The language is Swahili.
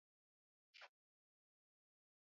Alikamatwa mwaka wa elfu moja mia tisa sitini na saba